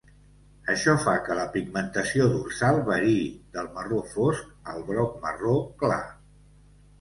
Això fa que la pigmentació dorsal variï del marró fosc al groc-marró clar.